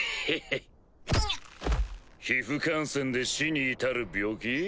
皮フ感染で死に至る病気？